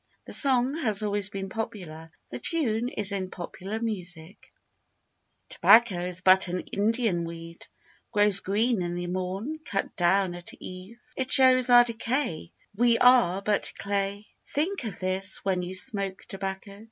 The song has always been popular. The tune is in Popular Music.] TOBACCO'S but an Indian weed, Grows green in the morn, cut down at eve; It shows our decay, We are but clay; Think of this when you smoke tobacco!